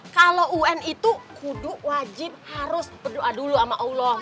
kalau un itu kudu wajib harus berdoa dulu sama allah